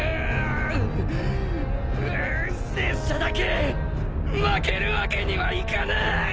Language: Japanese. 拙者だけ負けるわけにはいかぬ！